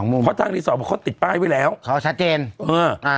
โมงเพราะทางรีสอร์ทบอกเขาติดป้ายไว้แล้วเขาชัดเจนเอออ่า